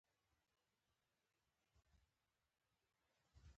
دولتونه پانګوال هڅوي.